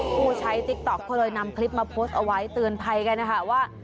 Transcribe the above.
ผู้ใช้ติ๊กต๊อกก็เลยนำคลิปมาโพสต์เอาไว้เตือนภัยกันนะคะว่า